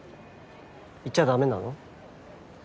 いちゃダメなの？